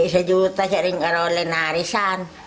sejuta jaringan oleh narisan